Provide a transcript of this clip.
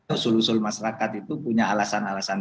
usul usul masyarakat itu punya alasan alasan